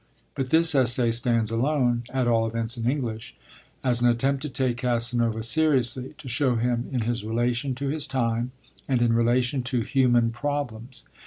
But this essay stands alone, at all events in English, as an attempt to take Casanova seriously, to show him in his relation to his time, and in his relation to human problems.